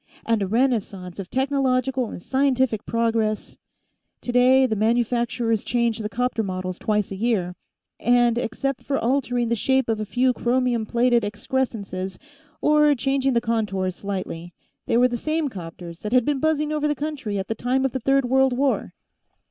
And a renaissance of technological and scientific progress Today, the manufacturers changed the 'copter models twice a year and, except for altering the shape of a few chromium plated excrescences or changing the contours slightly, they were the same 'copters that had been buzzing over the country at the time of the Third World War.